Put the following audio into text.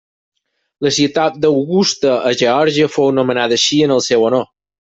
La ciutat d'Augusta a Geòrgia fou nomenada així en el seu honor.